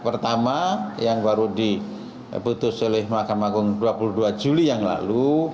pertama yang baru diputus oleh mahkamah agung dua puluh dua juli yang lalu